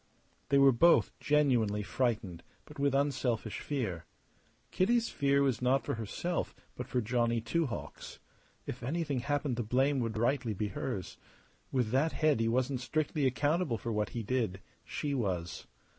They were both genuinely frightened, but with unselfish fear. Kitty's fear was not for herself but for Johnny Two Hawks. If anything happened the blame would rightly be hers. With that head he wasn't strictly accountable for what he did; she was.